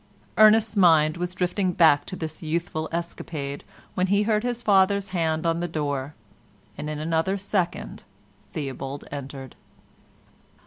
Ernest's mind was drifting back to this youthful escapade when he heard his father's hand on the door, and in another second Theobald entered.